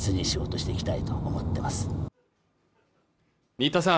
新田さん